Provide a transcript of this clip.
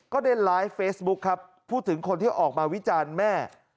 ก็ได้ไลฟ์เฟซบุ๊คครับพูดถึงคนที่ออกมาวิจารณ์แม่